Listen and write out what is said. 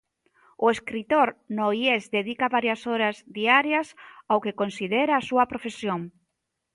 O escritor noiés dedica varias horas diarias ao que considera a súa 'profesión'.